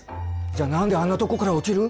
じゃあ何であんなとこから落ちる。